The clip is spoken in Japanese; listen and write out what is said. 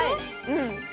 うん。